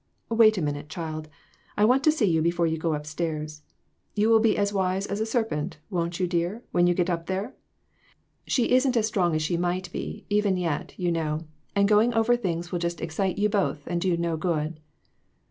"Wait a minute, child. I want to see you before you go up stairs. You will be as wise as a serpent, won't you, dear, when you get up there ? She isn't as strong as she might be, even yet, you INTUITIONS. 407 know, and going over things will just excite you both, and do no good."